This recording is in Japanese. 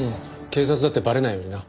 警察だってバレないようにな。